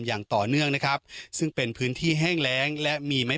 อย่างต่อเนื่องนะครับซึ่งเป็นพื้นที่แห้งแรงและมีไม้